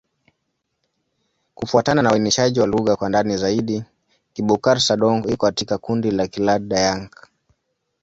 Kufuatana na uainishaji wa lugha kwa ndani zaidi, Kibukar-Sadong iko katika kundi la Kiland-Dayak.